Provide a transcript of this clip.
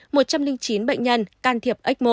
một trăm linh chín bệnh nhân can thiệp ếch mồ